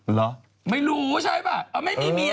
เหรอไม่รู้ใช่ป่ะไม่มีเมีย